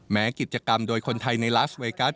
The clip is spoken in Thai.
แม้กิจกรรมโดยคนไทยในลักษณ์ไว้กัด